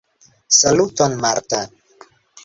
Saluton Martin!